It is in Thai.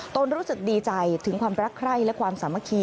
รู้สึกดีใจถึงความรักใคร่และความสามัคคี